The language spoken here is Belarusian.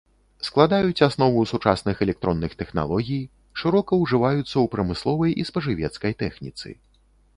Складаюць аснову сучасных электронных тэхналогій, шырока ўжываюцца ў прамысловай і спажывецкай тэхніцы.